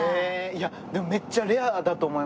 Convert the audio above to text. いやでもめっちゃレアだと思います。